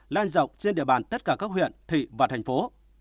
lan rộng trên địa bàn tất cả các huyện thị và thành phố